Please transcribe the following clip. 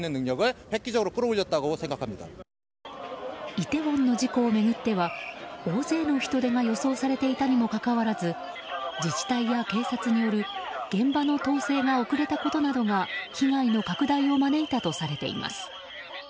イテウォンの事故を巡っては大勢の人出が予想されていたにもかかわらず自治体や警察による現場の統制が遅れたことなどが被害の拡大を招いたとされています。